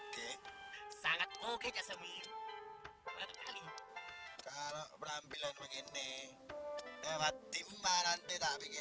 tapi mau jual sapi